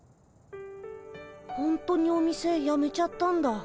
ほんとにお店やめちゃったんだ。